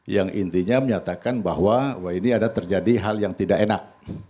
yang intinya menyatakan bahwa ini ada terjadi hal yang tidak enak